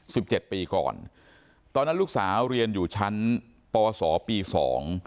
สิบเจ็ดปีก่อนตอนนั้นลูกสาวเรียนอยู่ชั้นปศปีสอง